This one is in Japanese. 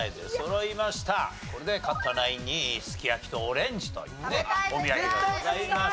これで勝ったナインにすき焼きとオレンジというねお土産がございます。